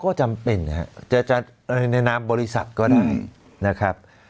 ก็จำเป็นนะครับจะในนามบริษัทก็ได้นะครับ